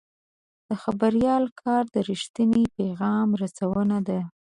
د خبریال کار د رښتیني پیغام رسونه ده.